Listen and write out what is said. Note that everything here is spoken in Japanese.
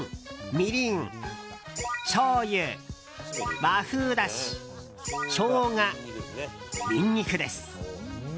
みりん、しょうゆ、和風だしショウガ、ニンニクです。